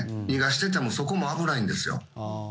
逃がしててもそこも危ないんですよ。